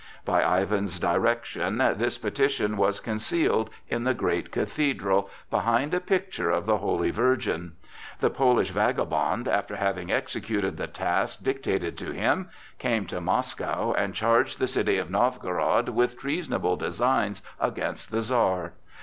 By Ivan's direction this petition was concealed in the great cathedral, behind a picture of the Holy Virgin. The Polish vagabond, after having executed the task dictated to him, came to Moscow and charged the city of Novgorod with treasonable designs against the Czar.